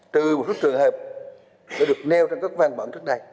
từ một số trường hợp đã được nêu trong các văn bản trước đây